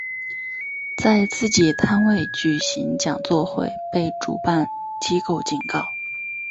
在自己摊位举行讲座会被主办机构警告。